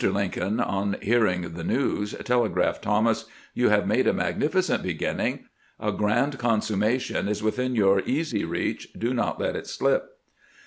Lin coln, on hearing the news, telegraphed Thomas: "You have made a magnificent beginning. A grand consum mation is within your easy reach. Do not let it slip."